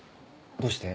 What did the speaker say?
どうして？